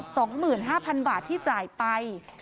สองหมื่นห้าพันบาทที่จ่ายไป